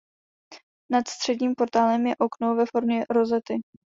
Nad středním portálem je okno ve formě rozety.